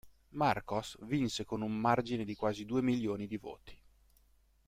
Marcos vinse con un margine di quasi due milioni di voti.